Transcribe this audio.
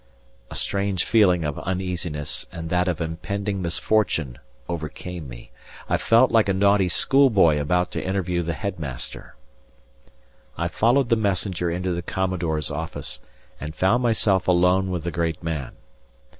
A strange feeling of uneasiness and that of impending misfortune overcame me. I felt like a naughty school boy about to interview the headmaster. I followed the messenger into the Commodore's office, and found myself alone with the great man.